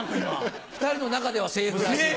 ２人の中ではセーフらしい。